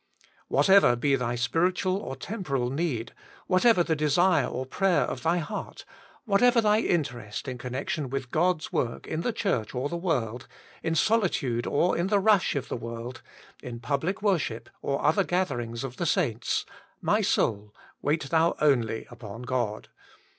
Whatever be thy spiritual or temporal need, whatever the desire or prayei of thy heart, whatever thy interest in connection with God's work in the Church or the world — in solitude or in the rush of the world, in public worship or other gatherings of the saints, * My soul, wait thou only upon God.'